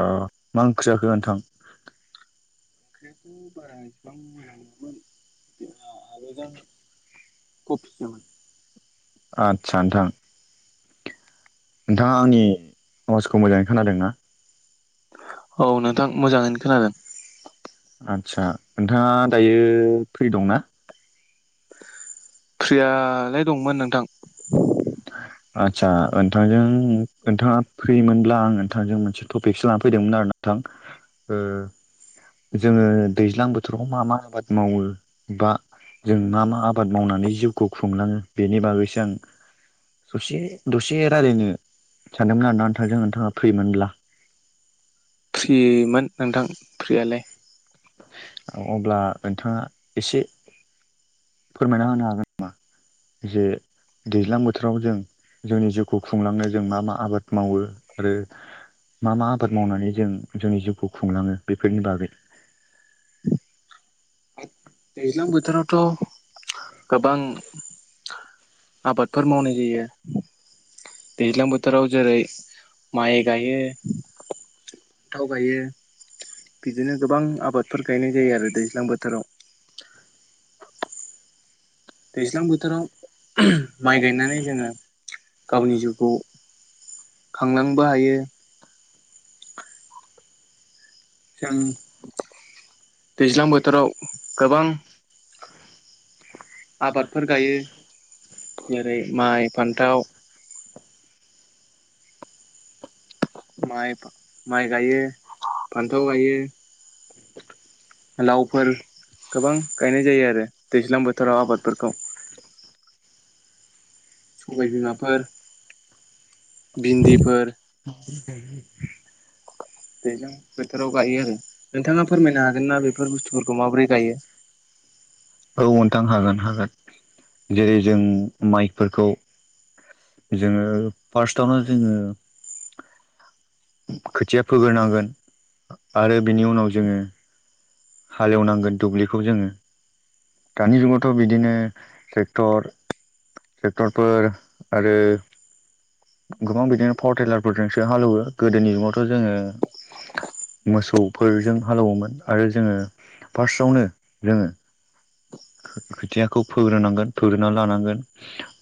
औ मा ओंख्रि जाखो नोंथां? [unintelligible] दे अ आरो जों कफिसोमोन आदसा नोंथां नोंथाङा आंनि आवाजखौ मोजाङै खोनादोंना औ नोंथां मोजाङैनो खोनादों आदसा नोंथाङा दायो फ्रि दंना प्रियालाय दंमोन नों थां [inaudible] आटसा नोंथांजों नोंथाङा फ्रिमोनब्ला आं नोंथांजों मोनसे टपिकसो ला फैदोंमोन आरो नोंथां ओ जोङो दैज्लां बोथोराव मा मा आबाद मावो बा जों मा मा आबाद मावनानै जिउखौ खुंलाङो बेनि बागैसो आं दसे दसे रायजलायनो सानदोंमोन आरोना नोंथांजों नोंथाङा फ्रिमोनब्ला फ्रिमोन नोंथां फ्रियालाय अब्ला नोंथाङा एसे फोरमायना होनो हागोन नामा जे दैज्लां बोथोराव जों जोंनि जिउखौ खुंलांनो जों मा मा आबाद मावो आरो मा मा आबाद मावनानै जों जोंनि जिउखौ खुंलाङो बेफोरनि बागै दैज्लां बोथोरावथ' गोबां आबादफोर मावनाय जायो दैज्लां बोथोराव जेरै माइ गायो थाव गायो बिदिनो गोबां आबादफोर गायनाय जायो आरो दैज्लां बोथोराव दैज्लां बोथोराव [unintelligible] माइ गायनानै जोङो गावनि जिउखौ खांलांबो हायो [unintelligible] दैज्लां बोथोराव गोबां [inaudible] आबादफोर गायो जेरै माइ फान्थाव माइ गायो फान्थाव गायो [inaudible] लावफोर गोबां गायनाय जायो आरो दैज्लां बोथोराव आबादफोरखौ सबाय बिमाफोर [unintelligible] [unintelligible] [unintelligible] हागोन जेरै जों माइफोरखौ जोङो फार्स्टआवनो जोङो खोथिया फोग्रोनांगोन आरो बिनि उनाव जोङो हालेवनांगोन दुब्लिखौ जोङो दानि जुगावथ' बिदिनोेटर ट्रेक्टरफोर आरो गोबां बिदिनो पावार लारफोरजोंसो हालेवो गोदोनि जुगावथ' जोङो मोसौफोरजों हालेवोमोन आरो जोङो फार्स्टआवनो जोङो खोथियाखौ फोग्रोनांगोन फोग्रोना लानांगोन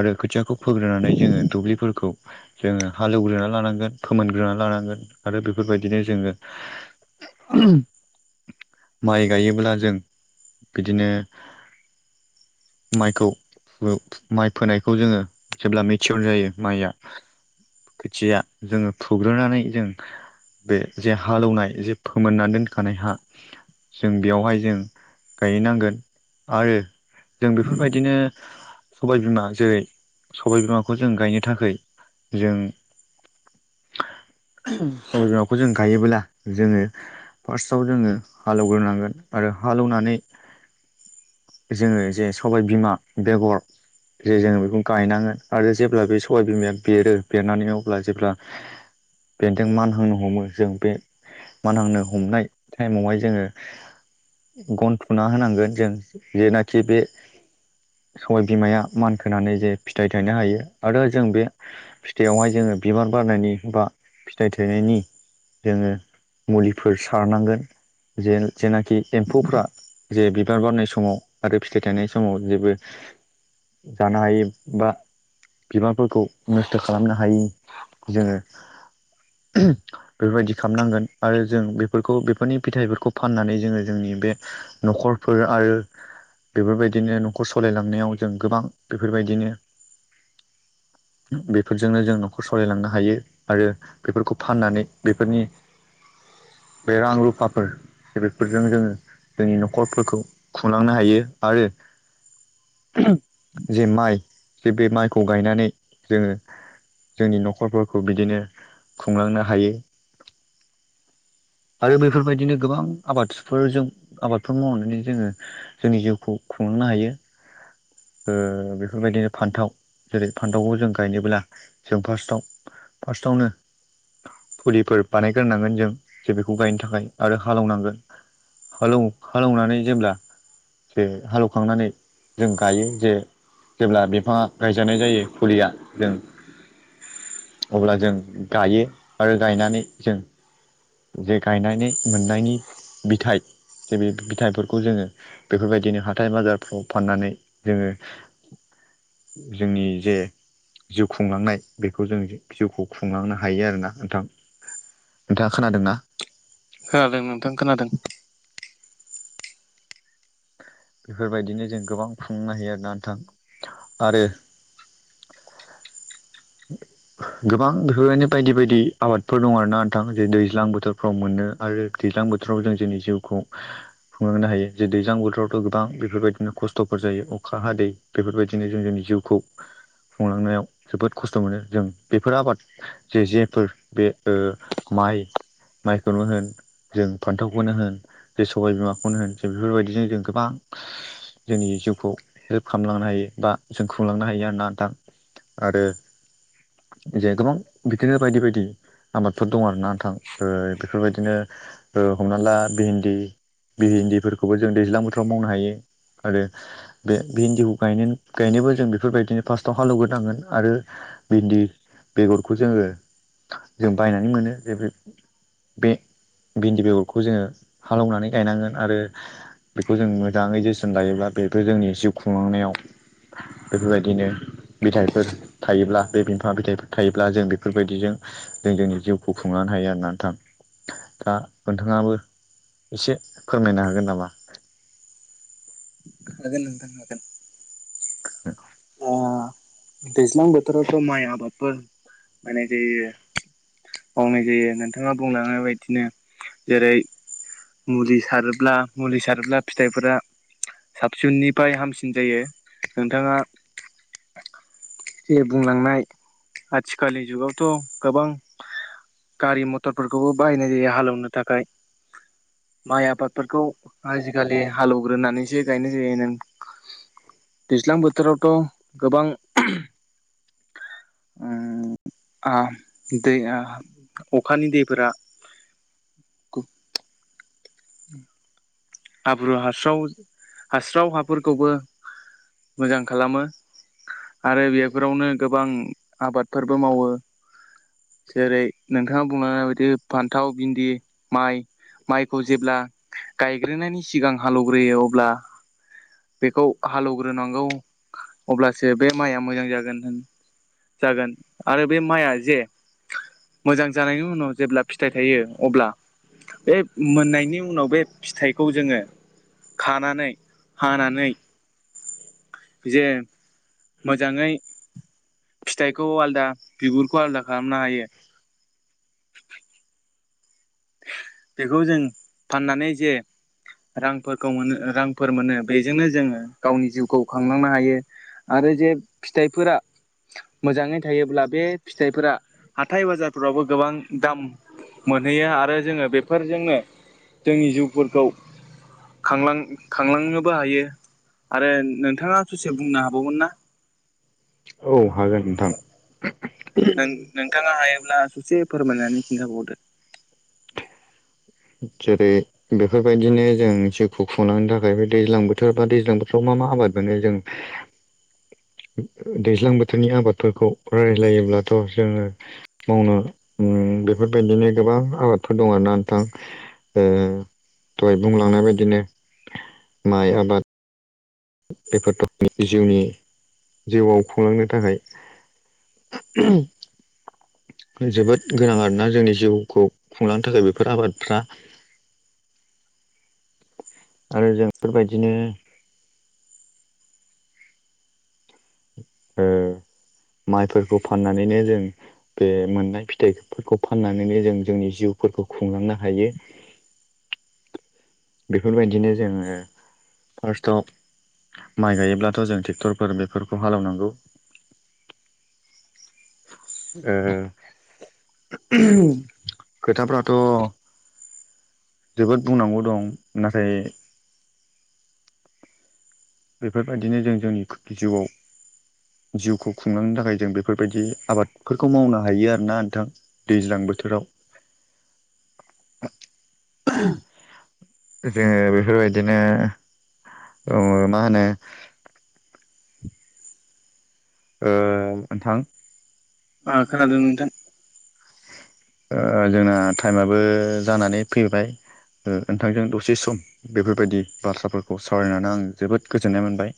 आरो खोथियाखौ फोग्रोनानै जोङो दुब्लिफोरखौ जोङो हालेवग्रोना लानांगोन फोमोनग्रोना लानांगोन आरो बेफोरबायदिनो जोङो माइ गायोब्ला जों बिदिनो माइखौ माइ फोनायखौ जोङो जेब्ला मिथिहरनाय जायो माइआ खोथिया जोङो फुग्रोनानै जों बे जे हालौवनाय जे फोमोनना दोनखानाय हा जों बेयावहाय जों गायनांगोन आरो जों बेफोरबायदिनो सबायबिमा जेरै सबायबिमाखौ जों गायनो थाखाय जों सबबाय बिमाखौ जों गायोब्ला जोङो फार्स्टआव जोङो हालेवग्रोनांगोन आरो हालेवनानै जोङो जे सबाइबिमा बेगर जे जोङो बेखौ गायनांगोन आरो जेब्ला बे सबाय बिमाया बेरो बेरनानै अब्ला जेब्ला बेन्दों मानहांनो हमो जों बे मानहांनो हमनाय टाइमावहाय जोङो गन थुना होनांगोन जों जेनाखि बे सबाय बिमाया मानखोनानै जे फिथाइ थायनो हायो आरो जों बे फिथाइयावहाय जोङो बिबार बारनायनि बा फिथाइ थायनायनि जोङो मुलिफोर सारनांगोन जे जेनाखि एम्फौफ्रा जे बिबार बारनाय समाव आरो फिथाइ थायनाय समाव जेबो जानो हायै बा बिबारफोरखौ नस्थ खालामनो हायि जोङो बेफोरबायदि खामनांगोन आरो जों बेफोरखौ बेफोरनि फिथाइफोरखौ खौ फाननानै जोङो जोंनि बे नखरफोर आरो बेफोरबायदिनो नखर सलायलांनायाव जों गोबां बेफोरबायदिनो बेफोरजोंनो जों नखर सलायलांनो हायो आरो बेफोरखौ फाननानै बेफोरनि बे रां रुफाफोर बेफोरजों जोङो जोंनि नखरफोरखौ खुंलांनो हायो आरो जे माइ जे बे माइखौ गायनानै जोङो जोंनि नखरफोरखौ बिदिनो खुंलांनो हायो आरो बेफोरबायदिनो गोबां आबादफोरजों आबादफोर मावनानै जोङो जोंनि जिउखौ खुंलांनो हायो ओ बेफोरबायदिनो फान्थाव जेरै फान्थावखौ जों गायनोब्ला जों फार्सतावनो फार्स्टआवनो फुलिफोर बानायग्रोनांगोन जों जे बेखौ गायनो थाखाय आरो हालौनांगोन [inaudible] हालौ हालौवनानै जेब्ला जे हालौवखांनानै जों गायो जे जेब्ला बिफाङा गायजानाय जायो फुलिया जों अब्ला जों गायो आरो गायनानै जों जे गायनानै मोननाय बिथाय जे बे बिथायफोरखौ जोङो बेफोरबायदिनो हाथाय बाजारफ्राव फाननानै जोङो जोंनि जे जिउ खुंलांनाय बेखौ जों जिउखौ खुंलांनो हायो आरोना नोंथां नोंथाङा खोनादोंना खोनादों नोंथां खोनादों बेफोरबायदिनो जों गोबां खुंनो हायो आर ना नोंथां आरो गोबां बेफोरबायदिनो बायदि बायदि आबादफोर दं आरो ना नोंथां जेरै दैज्लां बोथोरफ्राव मोनो आरो दैज्लां बोथोराव जों जोंनि जिउखौ खुंलांनो हायो जे दैज्लां बोथोरावथ गोबां बेफोरबायदिनो खस्थफोर जायो अखा हादै बेफोरबायदिनो जों जोंनि जिउखौ खुंलांनायाव जोबोद खस्थमोनो जों बेफोर आबाद जे जेफोर बे माइ माइखौनो होन जों फान्थावखौनो होन जे सबाय बिमाखौनो होन जे बेफोरबायदिजों जों गोबां जोंनि जिउखौ हेल्प खामलांनो हायो बा जों खुंलांनो हायो ना नोंथां आरो जे गोबां बिदिनो बायदि बायदि आबादफोर दं आरोना नोंथां ओ बेफोरबायदिनो हमना ला भिन्दि भिन्दिफोरखौबो जों दैज्लां बोथोराव मावनो हायो आरो बे भिन्दिखौ गायनोबो जों बेफोरबायदिनो फार्स्टाव हालेवग्रोनांगोन आरो भिन्दि बेगरखौ जोङो जों बायनानै मोनो बे बे भिन्दि बेगरखौ जोङो हालौनानै गायनांगोन आरो बेखौ जों मोजाङै जोथोन लायोब्ला बेफोर जोंनि जिउ खुंलांनायाव बेफोरबायदिनो बिथाइफोर थायोब्ला बे बिफांङा फिथाइफोर थायोब्ला जों बेफोरबायदिजों जों जोंनि जिउखौ खुंनो हायो आरोना नथां दा नोंथाङाबो एसे फोरमायनो हागोन नामा हागोन नोंथां हागोन आ दैज्लां बोथोरावथ‌ माइ आबादफोर मायनाय जायो मावनाय जायो नोंथाङा बुंलांनाय बायदिनो जेरै मुलि सारोब्ला मुलि सारोब्ला फिथाइफोरा साबसिननिफाय हामसिन जायो नोंथाङा जे बुंलांनाय आथिखालि जुगाव थ गोबां गारि मथरफोरखौबो बाहायनाय जायो हालेवनो थाखाय थ माइ आबादफोरखौ आजिखालि हालौवग्रोनानैसो गायनाय जायो नों दैज्लां बोथोरावथ गोबां ओम आ दैयाह अखानि दैफोरा गुप [inaudible] हाब्रु हास्राव हास्राव हाफोरखौबो मोजां खालामो आरो बेफोरावनो गोबां आबादफोरबो मावो जेरै नोंथाङा बुङो [unintelligible] फान्थाव भिन्दि माइ माइखौ जेब्ला गाय गायनायनि सिगां हालौवग्रोयो अब्ला बेखौ हालौग्रोनांगौ। अब्लासो बे माइआ मोजां जागोन। [unintelligible] जागोन आरो बे माइआ जे मोजां जानायनि उनाव जेब्ला फिथाइ थायो अब्ला बे मोननायनि उनाव बे फिथाइखौ जोङो खानानै हानानै जे मोजाङै फिथाइखौ आलदा बिगुरखौ आलदा खालामनो हायो। [inaudible] बेखौ जों फाननानै जे रांफोरखौ मोनो रांफोर मोनो बेजोंनो जोङो गावनि जिउखौ खांलांनो हायो आरो जे फिथाइफोरा मोजाङै थायोब्ला बे फिथाइफोरा हाथाय बाजारफोरावबो गोबां दाम मोनहैयो जोङो बेफोरजोंनो जोंनि जिउफोरखौ खांलां-खांलांनोबो हायो आरो नोंथाङा ससे बुंनो हाबावगोन ना। औ। हागोन नोंथां। नों-नोंथाङा हायोब्ला ससे फोरमायनानै खिन्थाबावदो। जेरै बेफोरबायदिनो जों जिउखौ खुंलांनो थाखाय बे दैज्लां बोथोर बा दैज्लां बोथोराव मा मा आबाद मोनो जों दैज्लां बोथोरनि आबादफोरखौ रायज्लायोब्लाथ' जोङो मावनो बेफोरबायदिनो गोबां आबाद फोर दं ना नोंथां ओ दहाय बुंलांनाय बायदिनो माइ आबाद। [unintelligible] जिउनि जिउआव खुंलांनो थाखाय। [unintelligible] जोबोद गोनां आरोना जोंनि जिउखौ खुंलांनो थाखाय बेफोर आबादफ्रा। आरो जों बेफोरबायदिनो [unintelligible] माइफोरखौ फाननानैनो जों बे मोननाय फिथाइफोरखौ फाननानैनो जों जोंनि जिउफोरखौ खुंलांनो हायो। बेफोरबायदिनो जोङो फार्स्टआव माइ गायोब्लाथ' जों ट्रेक्टरफोर बेफोरखौ हालेवनांगौ। ओ खोथाफ्राथ'। जोबोद बुंनांगौ दं नाथाय बेफोरबायदिनो जों जोंनि जिउआव जिउखौ खुंलांनो थाखाय जों बेफोरबायदि आबादफोरखौ मावनो हायो आरोना नोंथां दैज्लां बोथोराव जोङो बेफोरबायदिनो अ मा होनो ओ ओन्थां। अ खोनादों नोंथां। ओ जोंना टाइमाबो जानानै फैबाय नोंथांजों दसे सम बेफोरबायदि बाथ्राफोरखौ सावरायनानै आं जोबोद गोजोननाय मोनबाय।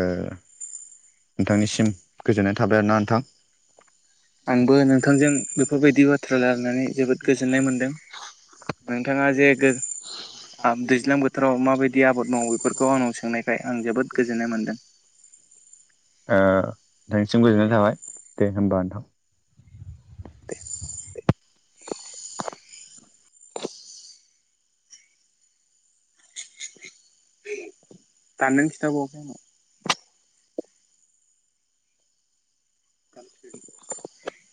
ओ नोंथांनिसिम गोजोननाय थाबाय आरो ना नोंथां आंबो नोंथांजों बेफोरबायदि बाथ्रा लारायनानै जोबोद गोजोननाय मोनदों नोंथाङा जे दैज्लां बोथोराव माबायदि आबाद मावो बेफोरखौ आंनाव सोंनायखाय आं जोबोद गोजोननाय मोनदों। ओ नोंनिसिम गोजोननाय थाबाय दे होमबा नोंथां। दे दाननो खिथाबावाखै आनाव [unintelligible]